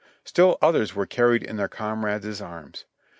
Still others were carried in their comrades' arms.